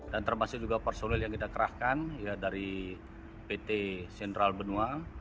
dan termasuk juga personil yang kita kerahkan dari pt sindral benua